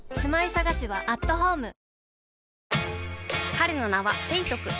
彼の名はペイトク